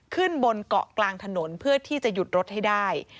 ขึ้นบนเกาะกลางถนนเพื่อที่จะหยุดรถให้ได้